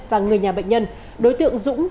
và người nhà bệnh nhân đối tượng dũng